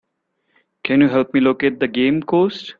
Can you help me locate the game, Coast?